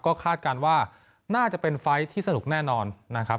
ก็คาดการณ์ว่าน่าจะเป็นไฟล์ที่สนุกแน่นอนนะครับ